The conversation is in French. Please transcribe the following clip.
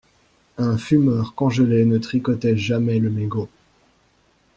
Un fumeur congelé ne tricotait jamais le mégot.